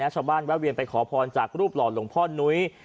แวะเวียนไปขอพรจากรูปหล่อหลวงพ่อนุ้ย